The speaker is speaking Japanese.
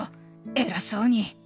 偉そうに！